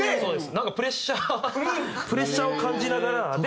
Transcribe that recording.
なんかプレッシャープレッシャーを感じながら。